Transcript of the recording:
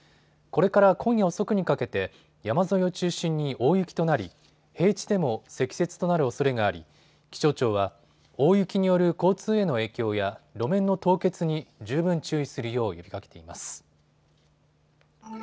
これから今夜遅くにかけて山沿いを中心に大雪となり、平地でも積雪となるおそれがあり気象庁は大雪による交通への影響や路面の凍結に十分注意するよう呼びかけています。